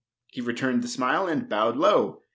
He returned the smile and bowed low.